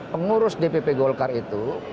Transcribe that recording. pengurus dpp golgar itu